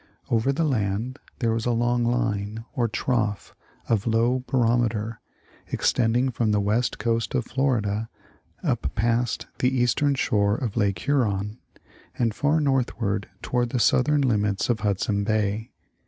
Over the land there is a long line, or trough, of low barometer, extending from the west coast of Florida up past the eastern shore of Lake Huron, and far north ward toward the southern limits of Hudson Bay.